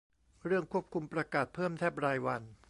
เรื่องควบคุมประกาศเพิ่มแทบรายวัน